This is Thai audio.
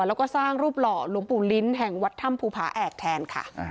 แล้วก็สร้างรูปหล่อหลวงปู่ลิ้นแห่งวัดถ้ำภูผาแอกแทนค่ะ